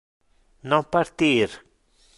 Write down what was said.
Non partir.